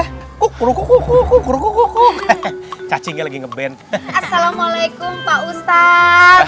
cacing lagi ngeband assalamualaikum pak ustadz waalaikumsalam siti udah kagak nangis ustadz